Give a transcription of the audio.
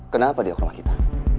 kenapa dia ke rumah kita